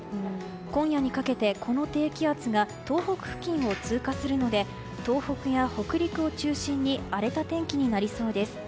今夜にかけて、この低気圧が東北付近を通過するので東北や北陸を中心に荒れた天気になりそうです。